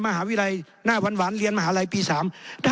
มหาวิทยาลัยหน้าวันหวานเรียนมหาวิทยาลัยปี๓